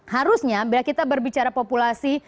harusnya bila kita berbicara populasi